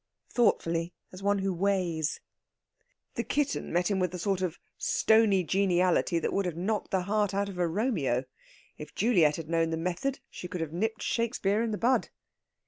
Thoughtfully, as one who weighs. "The kitten met him with a sort of stony geniality that would have knocked the heart out of a Romeo. If Juliet had known the method, she could have nipped Shakespeare in the bud."